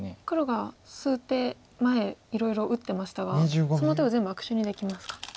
黒が数手前いろいろ打ってましたがその手を全部悪手にできますか。